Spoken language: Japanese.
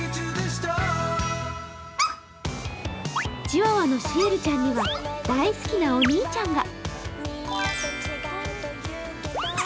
チワワのシエルちゃんには大好きなお兄ちゃんが。